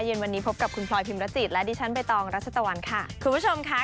เย็นวันนี้พบกับคุณพลอยพิมรจิตและดิฉันใบตองรัชตะวันค่ะคุณผู้ชมค่ะ